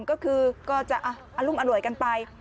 ก็คือก็จะอรุ่งอร่วยกันไป